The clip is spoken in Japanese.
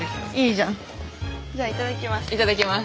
じゃあいただきます。